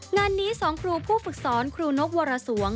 งานนี้๒ครูผู้ฝึกสอนครูนกวรสวง